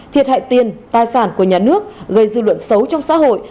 thiệt hại tiền tài sản của nhà nước gây dư luận xấu trong xã hội